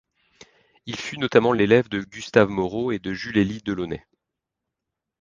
Il fut notamment l'élève de Gustave Moreau et de Jules-Élie Delaunay.